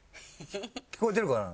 聞こえてるかな？